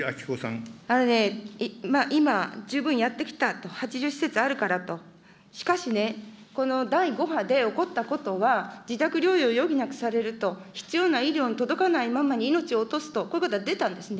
今、十分やってきたと、８０施設あるからと、しかしね、この第５波で起こったことは、自宅療養を余儀なくされると、必要な医療が届かないままに命を落とすと、こういうことが出たんですね。